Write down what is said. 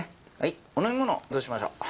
お飲み物どうしましょう？